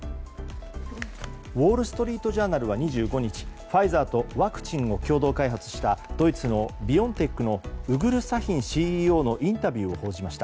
ウォール・ストリート・ジャーナルは２５日ファイザーとワクチンを共同開発したドイツのビオンテックのウグル・サヒンＣＥＯのインタビューを報じました。